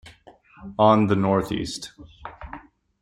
On the Northeast.